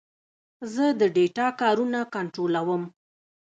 زه د ډیټا کارونه کنټرولوم.